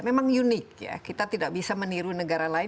memang unik ya kita tidak bisa meniru negara lain